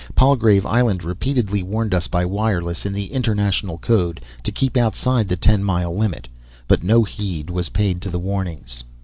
Palgrave Island repeatedly warned us, by wireless, in the international code, to keep outside the ten mile limit; but no heed was paid to the warnings.